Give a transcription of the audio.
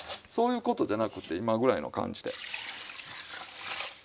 そういう事じゃなくて今ぐらいの感じで。